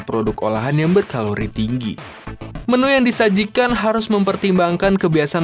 produk olahan yang berkalori tinggi menu yang disajikan harus mempertimbangkan kebiasaan